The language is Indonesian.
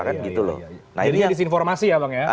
jadi disinformasi ya bang ya